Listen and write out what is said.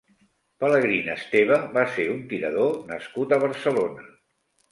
Pelegrín Esteve va ser un tirador nascut a Barcelona.